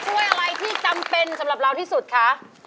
ช่วยอะไรที่จำเป็นสำหรับเราที่สุดคะ